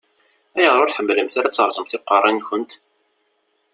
Ayɣer ur tḥemmlemt ara ad teṛṛẓemt iqeṛṛa-nkent?